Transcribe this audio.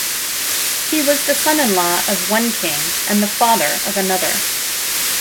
He was the son-in-law of one king, and the father of another.